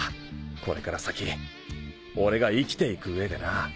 これから先俺が生きていく上でな。